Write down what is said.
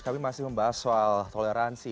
kami masih membahas soal toleransi